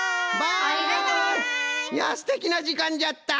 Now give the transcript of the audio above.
いやすてきなじかんじゃった！